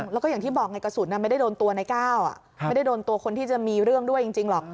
แล้วก็อย่างที่บอกไงกระสุนไม่ได้โดนตัวในก้าวไม่ได้โดนตัวคนที่จะมีเรื่องด้วยจริงหรอก